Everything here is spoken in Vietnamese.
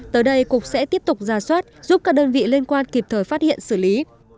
tới đây cục sẽ tiếp tục ra soát giúp các đơn vị liên quan kịp thời phát hiện xử lý